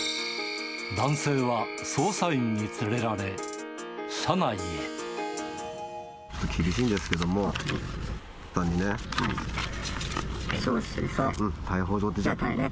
男性は、捜査員に連れられ、ちょっと厳しいんですけども、×××さんにね、逮捕状が出ちゃってる。